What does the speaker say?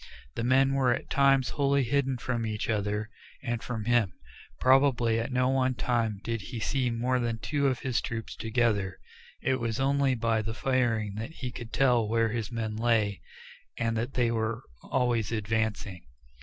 The men were at times wholly hidden from each other, and from him; probably at no one time did he see more than two of his troops together. It was only by the firing that he could tell where his men lay, and that they were always advancing.